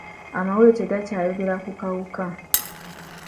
Amawulire tegakyayogera ku kawuka.